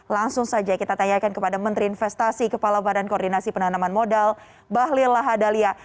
langsung saja kita tanyakan kepada menteri investasi kepala badan koordinasi penanaman modal bahlil lahadalia